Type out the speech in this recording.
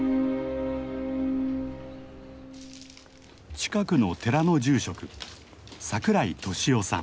近くの寺の住職櫻井慧雄さん。